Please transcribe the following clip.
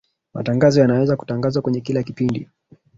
matangazo yanaweza kutangazwa kwenye kila kipindi